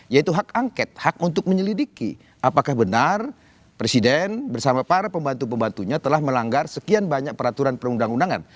yaitu hak angket hak untuk menyelidiki apakah benar presiden bersama para pembantu pembantunya telah melanggar sekian banyak peraturan perundang undangan